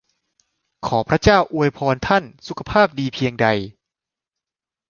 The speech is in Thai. ขอพระเจ้าอวยพรท่านสุขภาพดีเพียงใด!